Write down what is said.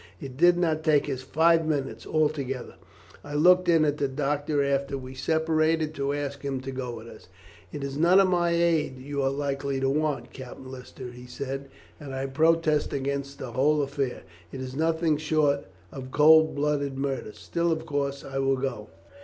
It did not take us five minutes altogether. I looked in at the doctor's after we separated, to ask him to go with us. "'It is none of my aid you are likely to want, Captain Lister,' he said, 'and I protest against the whole affair; it is nothing short of cold blooded murder. Still, of course, I will go.'